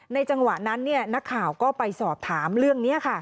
ในจังหวะนั้นเนี่ยนักข่าวก็ไปสอบถามเรื่องเนี่ยค่ะ